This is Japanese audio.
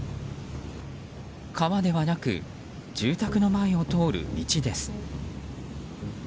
川ではなく住宅の前を通る道です。